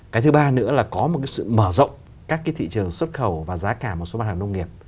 cái thứ ba nữa là có một cái sự mở rộng các cái thị trường xuất khẩu và giá cả một số mặt hàng nông nghiệp